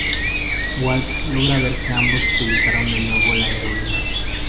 Walt logra ver que ambos utilizaron de nuevo la heroína.